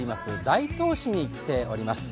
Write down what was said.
大東市に来ています。